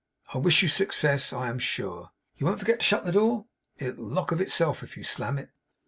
I wish you success I am sure. You won't forget to shut the door? It'll lock of itself if you slam it.